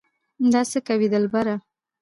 دا څه کوې دلبره